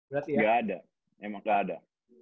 gak ada emang gak ada